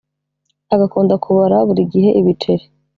agakunda kubara buri gihe ibiceri